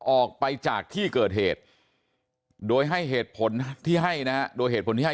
ออกไปจากที่เกิดเหตุโดยให้เหตุผลที่ให้นะฮะโดยเหตุผลที่ให้